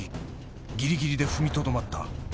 ギリギリで踏みとどまった。